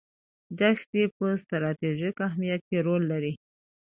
دښتې په ستراتیژیک اهمیت کې رول لري.